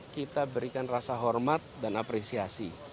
kita berikan rasa hormat dan apresiasi